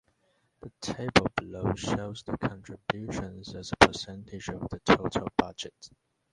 The table below shows the contributions as a percentage of the total budget.